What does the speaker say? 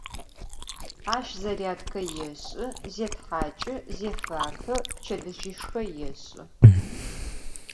Aş zaryadke yêş'ı, zêthaç'ı, zêfape, pçedıjışşxe yêş'ı.